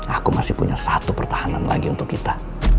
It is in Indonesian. aku masih punya satu pertahanan lagi untuk kita